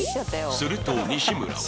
すると西村は